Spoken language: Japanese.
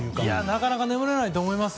なかなか眠れないと思います。